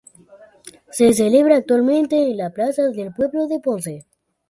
Se celebra actualmente en la plaza del pueblo de Ponce.